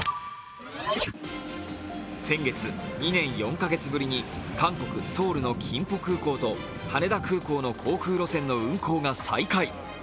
先月、２年４カ月ぶりに韓国ソウルのキンポ空港と羽田空港の航空路線の運航が再開。